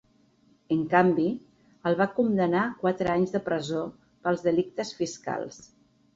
En canvi, el va condemnar a quatre anys de presó pels delictes fiscals.